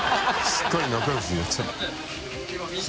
すっかり仲良しになっちゃって。